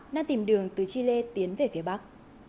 đang tìm đường từ chile tiến về phía bắc